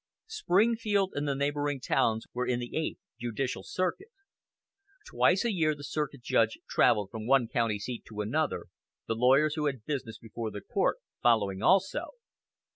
Springfield and the neighboring towns were in the eighth judicial circuit. Twice a year the circuit judge traveled from one county seat to another, the lawyers who had business before the court following also.